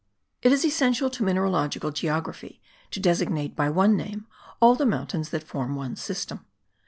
It is essential to mineralogical geography to designate by one name all the mountains that form one system.